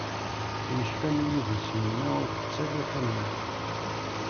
Yecfa mi i d as-yenna ur tett ala s tamment.